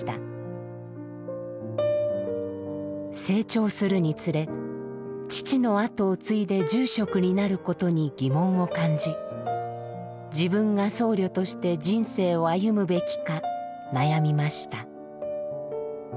成長するにつれ父のあとを継いで住職になることに疑問を感じ自分が僧侶として人生を歩むべきか悩みました。